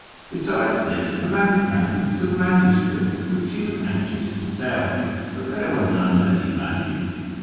Besides this, a man came with some manuscripts which he was anxious to sell, but there were none of any value.